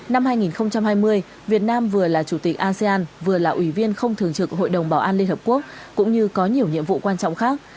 năm hai nghìn hai mươi việt nam vừa là chủ tịch asean vừa là ủy viên không thường trực hội đồng bảo an liên hợp quốc cũng như có nhiều nhiệm vụ quan trọng khác